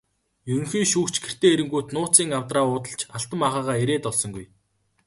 Ерөнхий шүүгч гэртээ ирэнгүүт нууцын авдраа уудалж алтан маахайгаа эрээд олсонгүй.